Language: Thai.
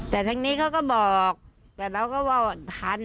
แต่ทางนี้เขาก็บอกแต่เราก็ว่าทัน